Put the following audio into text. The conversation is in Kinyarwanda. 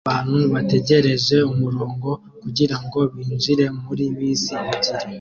Abantu bategereje umurongo kugirango binjire muri bisi ebyiri